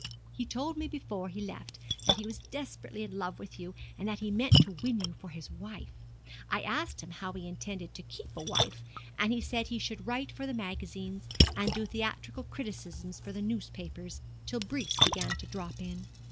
He told me before he left that he was desperately in love with you, and that he meant to win you for his wife. I asked him how he intended to keep a wife, and he said he should write for the magazines, and do theatrical criticisms for the newspapers, till briefs began to drop in.